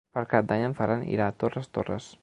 Per Cap d'Any en Ferran irà a Torres Torres.